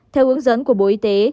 theo hướng dẫn của bộ y tế